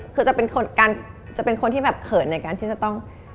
คือจะเป็นคนที่แบบเขินในการที่จะต้อง